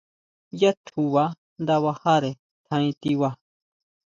Yá tjuba nda bajare tjaen tiba.